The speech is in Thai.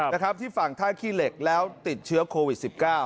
นะครับที่ฝั่งท่าขี้เหล็กแล้วติดเชื้อโควิด๑๙